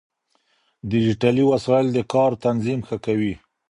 ډيجيټلي وسايل د کار تنظيم ښه کوي.